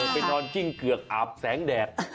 ไปนอนจิ้งเกือกอาบแสงแดด